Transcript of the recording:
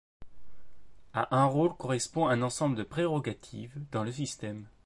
À un rôle correspond un ensemble de prérogatives dans le système.